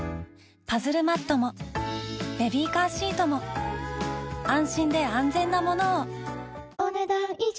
パズルマットもベビーカーシートも安心で安全なものをお、ねだん以上。